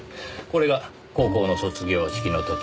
これが高校の卒業式の時。